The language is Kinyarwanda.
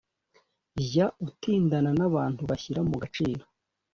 jya utindana n’abantu bashyira mu gaciro.